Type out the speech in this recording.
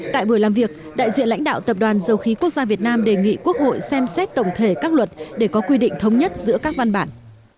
tại buổi làm việc đại diện lãnh đạo tập đoàn dầu khí quốc gia việt nam đề nghị quốc hội xem xét tổng thể các luật để có quy định thống nhất giữa các văn bản